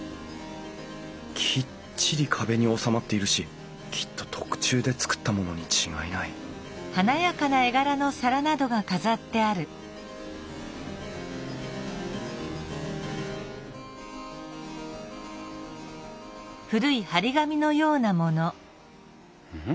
きっちり壁に納まっているしきっと特注で作ったものに違いないん？